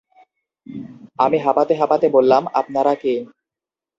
আমি হাপাতে হাপাতে বললাম - আপনারা কে?